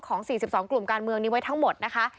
๔๒กลุ่มการเมืองนี้ไว้ทั้งหมดนะคะ